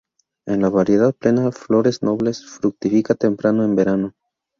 En la variedad "plena": flores dobles; fructifica temprano en el verano.